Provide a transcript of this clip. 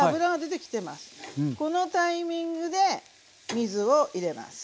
このタイミングで水を入れます。